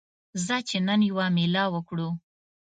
ځه چې نن یوه میله وکړو